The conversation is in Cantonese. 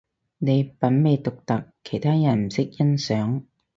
你品味獨特，其他人唔識欣賞